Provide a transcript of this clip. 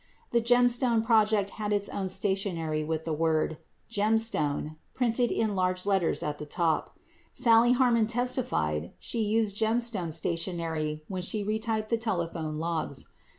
37 The Gemstone project had its own stationery with the word, "Gem stone," printed in large letters at the top. 38 Sally Harmony testified she used Gemstone stationery when she retyped the telephone logs.